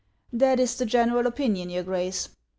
" That is the general opinion, your Grace."